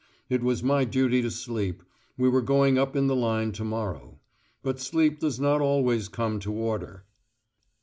It was my duty to sleep: we were going up in the line to morrow. But sleep does not always come to order.